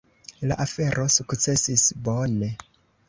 La afero sukcesis bone.